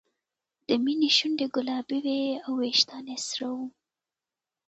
د مینې شونډې ګلابي وې او وېښتان یې سره وو